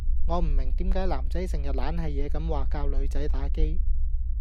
我唔明點解男仔成日懶係野咁話教女仔打機